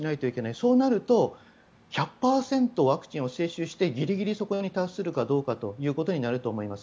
そうなると１００％ワクチンを接種してギリギリそこに達するかどうかということになると思います。